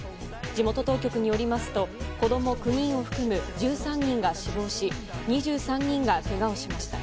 地元当局によりますと子供９人を含む１３人が死亡し２３人がけがをしました。